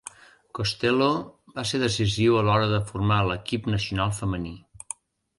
Costello va ser decisiu a l'hora de formar l'equip nacional femení.